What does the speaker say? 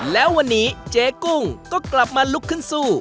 แล้ววันนี้เจ๊กุ้งก็กลับมาลุกขึ้นสู้